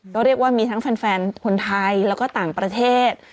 ก็เรียกว่ามีทั้งแฟนคนไทยแล้วก็ต่างประเทศ